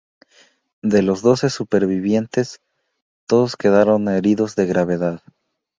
De los doce supervivientes, todos quedaron heridos de gravedad.